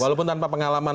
walaupun tanpa pengalaman